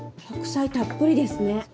白菜たっぷりですね。